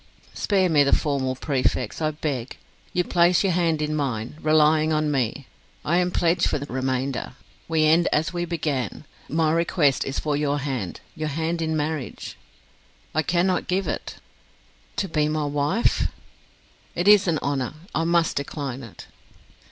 "Spare me the formal prefix, I beg. You place your hand in mine, relying on me. I am pledge for the remainder. We end as we began: my request is for your hand your hand in marriage." "I cannot give it." "To be my wife!" "It is an honour; I must decline it."